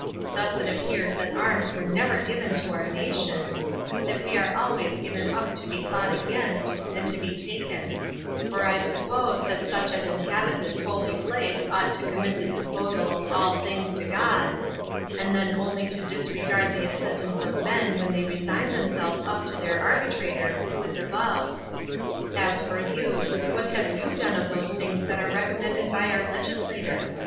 Thus it appears that arms were never given to our nation, but that we are always given up to be fought against, and to be taken; for I suppose that such as inhabit this holy place ought to commit the disposal of all things to God, and then only to disregard the assistance of men when they resign themselves up to their Arbitrator, who is above. As for you, what have you done of those things that are recommended by our legislator?